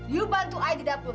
yuk bantu ayah di dapur